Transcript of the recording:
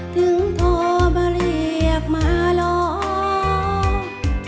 ถึงโทรมาเรียกมาร้อง